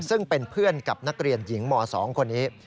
ซึ่งเป็นเพื่อนกับนักเรียนหญิงม๒คนนี้